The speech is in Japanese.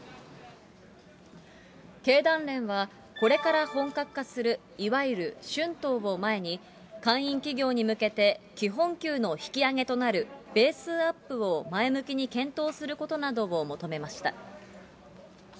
経団連は、これから本格化するいわゆる春闘を前に、会員企業に向けて基本給の引き上げとなるベースアップを前向きに検討することなどを求めました。